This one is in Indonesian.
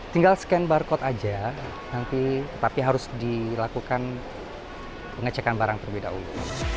tinggal scan barcode aja nanti tapi harus dilakukan pengecekan barang terlebih dahulu